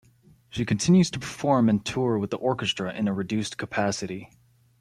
She continues to perform and tour with the orchestra in a reduced capacity.